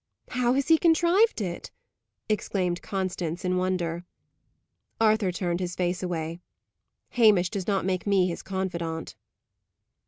"How has he contrived it?" exclaimed Constance, in wonder. Arthur turned his face away. "Hamish does not make me his confidant."